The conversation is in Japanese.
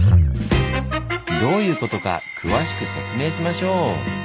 どういうことか詳しく説明しましょう！